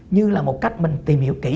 như là một cách mình tìm hiểu kỹ